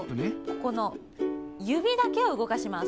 ここのゆびだけをうごかします。